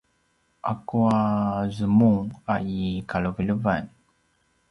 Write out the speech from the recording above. akua zemung a i kalevelevan?